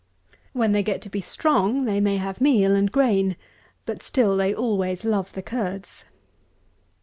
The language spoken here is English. When they get to be strong, they may have meal and grain, but still they always love the curds.